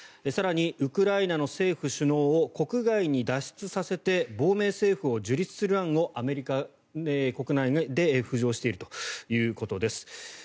更にウクライナの政府首脳を国外に脱出させて亡命政府を樹立する案がアメリカ国内で浮上しているということです。